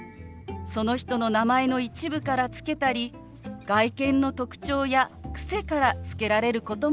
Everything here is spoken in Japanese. その人の名前の一部から付けたり外見の特徴や癖から付けられることもあります。